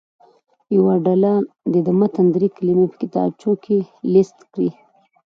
یوه ډله دې د متن دري کلمې په کتابچو کې لیست کړي.